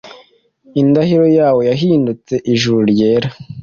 indahiro yawe yahindutse Ijuru ryera,